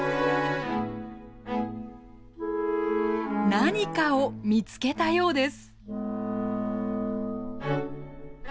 何かを見つけたようです。